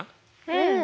うん！